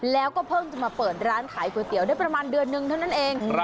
แล้วก็เพิ่งจะมาเปิดร้านขายก๋วยเตี๋ยวได้ประมาณเดือนนึงเท่านั้นเอง